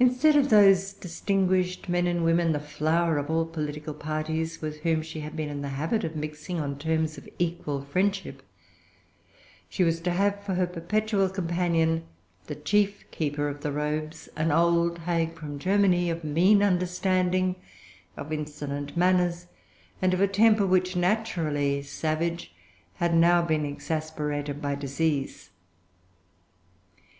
Instead of those distinguished men and women, the flower of all political parties, with whom she had been in the habit of mixing on terms of equal friendship, she was to have for her perpetual companion the chief keeper of the robes, an old hag from Germany, of mean[Pg 359] understanding, of insolent manners, and of temper which, naturally savage, had now been exasperated by disease.